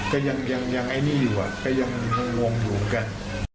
ก็ยังอยู่ก็ยังห่วงอยู่กัน